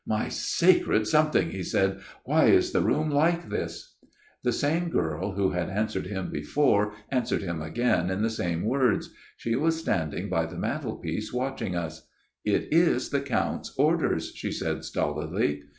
' My sacred something !" he said, ' why is the room like this ?'" The same girl who had answered him before, answered him again in the same words. She was standing by the mantel piece watching us. ' It is the Count's orders/ she said stolidly.